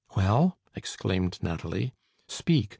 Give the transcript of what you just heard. "Well," exclaimed Nathalie, "speak!